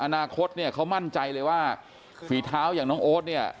อนาคตเนี่ยเขามั่นใจเลยว่าฝีเท้าอย่างน้องโอ๊ตเนี่ย